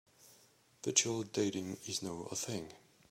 Virtual dating is now a thing.